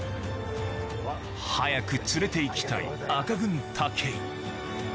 早く連れて行きたい赤軍・武井